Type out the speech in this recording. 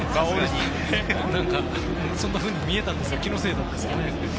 そんなふうに見えたんですが気のせいでしたかね。